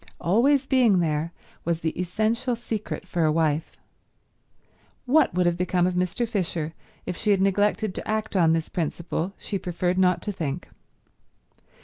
Always being there was the essential secret for a wife. What would have become of Mr. Fisher if she had neglected to act on this principle she preferred not to think.